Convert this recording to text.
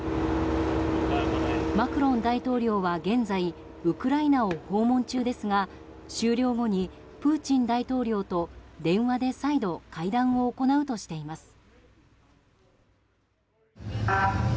マクロン大統領は現在ウクライナを訪問中ですが終了後にプーチン大統領と電話で再度会談を行うとしています。